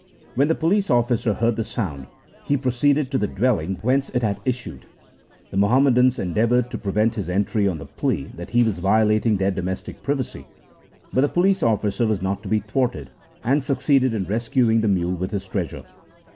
When the police officer heard the sound, he pro ceeded to the dwelling whence it had issued. The Muhammadans endeavoured to prevent his entry on the plea that he was violating their domestic privacy, but the police officer was not to be thwarted, and succeeded in rescuing the mule with his treasure.